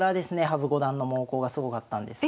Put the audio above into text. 羽生五段の猛攻がすごかったんです。